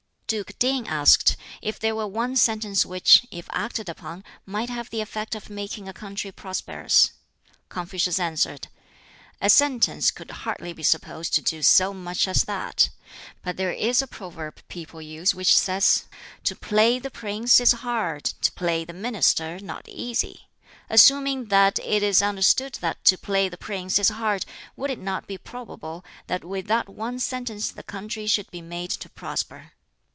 Duke Ting asked if there were one sentence which, if acted upon, might have the effect of making a country prosperous. Confucius answered, "A sentence could hardly be supposed to do so much as that. But there is a proverb people use which says, 'To play the prince is hard, to play the minister not easy.' Assuming that it is understood that 'to play the prince is hard,' would it not be probable that with that one sentence the country should be made to prosper?"